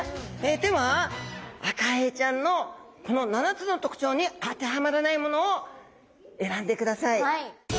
ではアカエイちゃんのこの７つの特徴に当てはまらないものを選んでください。